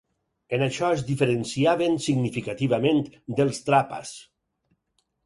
En això es diferenciaven significativament dels Trapas.